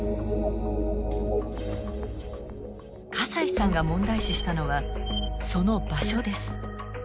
笠井さんが問題視したのはその場所です。